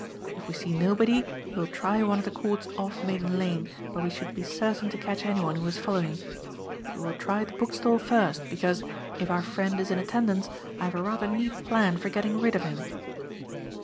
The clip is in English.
If we see nobody, we will try one of the courts off Maiden Lane where we should be certain to catch anyone who was following. But we will try the bookstall first because, if our friend is in attendance, I have a rather neat plan for getting rid of him."